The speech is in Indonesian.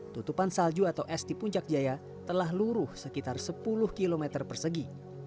tutupan salju atau es di puncak jaya telah luruh sekitar sepuluh km persegi